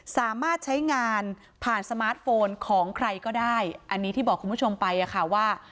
สามารถใช้งานผ่านสมาร์ทโฟนของใครก็ได้อันนี้ที่บอกคุณผู้ชมไปอะค่ะว่า